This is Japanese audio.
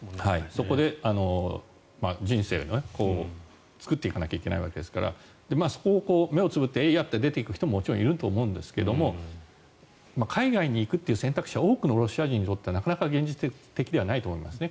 そこで人生を作っていかなければいけないわけですからそこを目をつぶってえいやと出ていく人もいるかもしれないですが海外に行くという選択肢は多くのロシア人にとっては現実的ではないと思いますね。